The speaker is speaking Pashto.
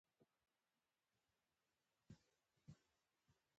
پرېکړه مو وکړه سبا به د ماسپښین تر لمانځه وروسته جریکو ته ولاړ شو.